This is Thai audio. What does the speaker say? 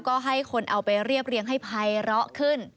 ก็ให้คนเอาไปเรียบเรียงให้ภัยร้อขึ้น